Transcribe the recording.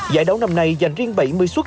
giải đấu năm nay dành riêng bảy mươi suất